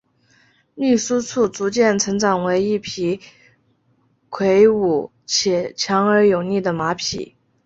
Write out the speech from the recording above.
秘书处逐渐成长为一匹魁伟且强而有力的马匹。